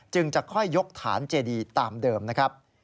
จะค่อยยกฐานเจดีตามเดิมนะครับ